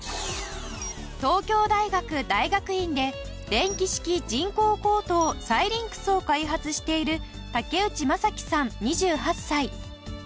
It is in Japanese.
東京大学大学院で電気式人工喉頭Ｓｙｒｉｎｘを開発している竹内雅樹さん２８歳。